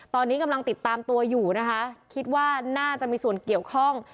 ตอนนี้กำลังติดตามตัวอยู่นะคะคิดว่าน่าจะมีส่วนเกี่ยวข้อง